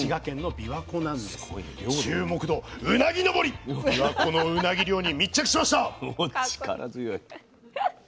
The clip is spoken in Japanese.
びわ湖のうなぎ漁に密着しました。